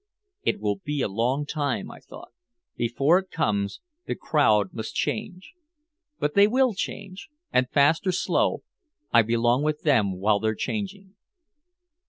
"It will be a long time," I thought. "Before it comes the crowd must change. But they will change and fast or slow, I belong with them while they're changing."